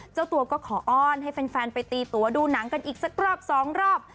เจ้าตัวก็ขออ้อนให้แฟนไปตีตัวดูหนังกันอีกสักรอบสองรอบ